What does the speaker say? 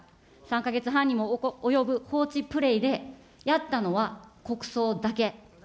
３か月半にも及ぶ放置プレイでやったのは、国葬だけ。